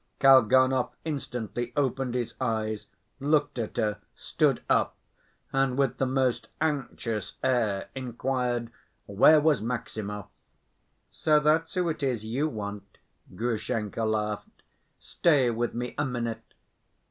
Kalganov instantly opened his eyes, looked at her, stood up, and with the most anxious air inquired where was Maximov? "So that's who it is you want." Grushenka laughed. "Stay with me a minute.